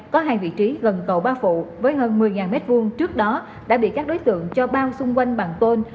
có hai vị trí gần cầu ba phụ với hơn một mươi m hai trước đó đã bị các đối tượng cho bao xung quanh bằng tôn